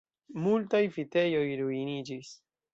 Multaj vitejoj ruiniĝis!